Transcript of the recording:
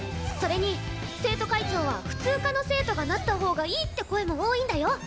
それに生徒会長は普通科の生徒がなった方がいいって声も多いんだよ？